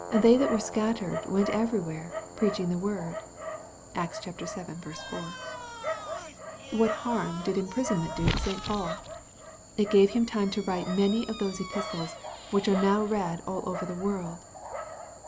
They that were scattered went everywhere, preaching the word. (Acts vii.4.) — What harm did imprisonment do St. Paul ? It gave him time to write many of those Epistles, which are now read all over the world.